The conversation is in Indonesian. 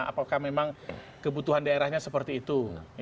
apakah memang kebutuhan daerahnya seperti itu